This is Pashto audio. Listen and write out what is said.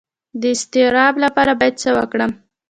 د اضطراب لپاره باید څه وکړم؟